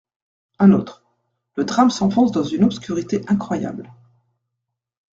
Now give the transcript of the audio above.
Un autre :« Le drame s’enfonce dans une obscurité incroyable.